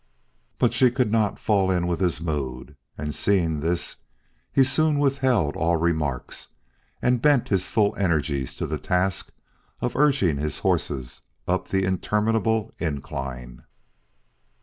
But she could not fall in with his mood, and seeing this, he soon withheld all remarks and bent his full energies to the task of urging his horses up the interminable incline.